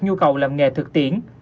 nhu cầu làm nghề thực tiễn